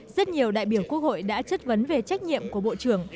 rất nhiều đại biểu quốc hội đã chất vấn về trách nhiệm của bộ trưởng